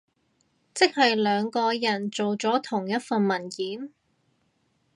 即係兩個人做咗同一份文件？